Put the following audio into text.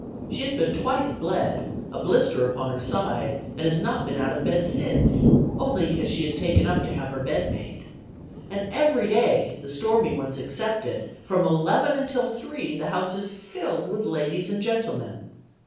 She has been twice bled, a blister upon her side, and has not been out of bed since, only as she is taken up to have her bed made. And every day, the stormy ones excepted, from eleven until three, the house is filled with ladies and gentlemen.